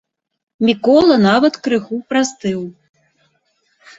Мікола нават крыху прастыў.